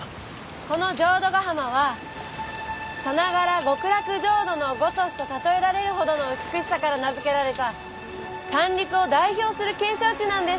この浄土ヶ浜はさながら極楽浄土のごとしと例えられるほどの美しさから名付けられた三陸を代表する景勝地なんです。